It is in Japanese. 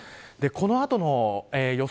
この後の予想